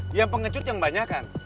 dia pengecut yang banyak kan